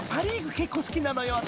結構好きなのよ私たち］